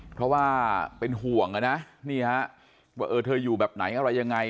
เพราะว่าเป็นห่วงนะนี่ฮะว่าเออเธออยู่แบบไหนอะไรยังไง